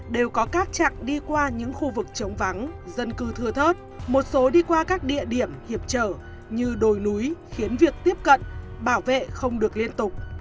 đều có các chặng đi qua những khu vực trống vắng dân cư thưa thớt một số đi qua các địa điểm hiệp trở như đồi núi khiến việc tiếp cận bảo vệ không được liên tục